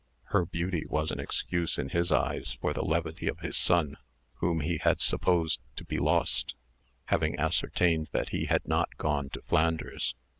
Her beauty was an excuse in his eyes for the levity of his son, whom he had supposed to be lost, having ascertained that he had not gone to Flanders.